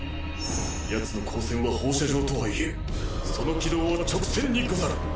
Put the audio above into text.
ヤツの光線は放射状とはいえその軌道は直線にござる！